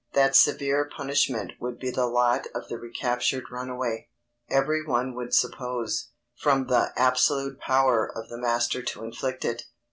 _ That severe punishment would be the lot of the recaptured runaway, every one would suppose, from the "absolute power" of the master to inflict it.